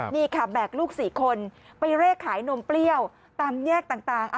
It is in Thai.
นี่ค่ะแบกลูก๔คนไปเร่ขายนมเปรี้ยวตามแยกต่าง